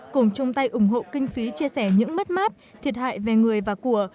cùng chung tay ủng hộ kinh phí chia sẻ những mất mát thiệt hại về người và của